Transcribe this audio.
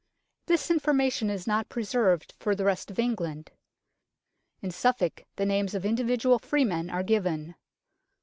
This information is not preserved for the rest of England. In Suffolk the names of individual freemen are given.